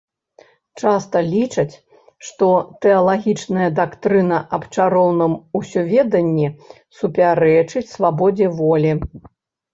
Часта лічаць, што тэалагічная дактрына аб чароўным усёведанні супярэчыць свабодзе волі.